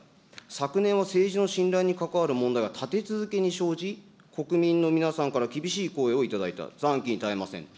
昨年は政治の信頼に関わる問題が立て続けに生じ、国民の皆さんから厳しい声を頂いた、ざんきにたえません。